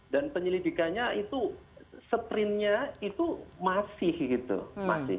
dan penyelidikannya itu sprintnya itu masih gitu masih